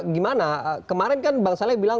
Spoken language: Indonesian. gimana kemarin kan bang saleh bilang